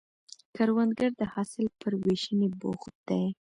کروندګر د حاصل پر ویشنې بوخت دی